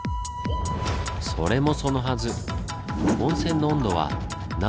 それもそのはず